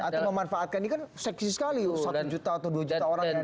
atau memanfaatkan ini kan seksi sekali satu juta atau dua juta orang yang